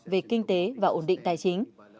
về kinh tế và ổn định tài chính